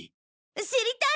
知りたい！